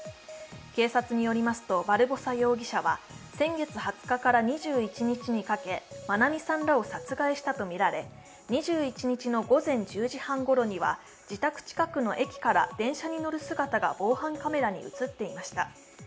警察によりますと、バルボサ容疑者は先月２０日から２１日にかけ愛美さんらを殺害したとみられ、２１日の午前１０時半ごろには自宅近くの駅から電車に乗る姿が防犯カメラに映っていました。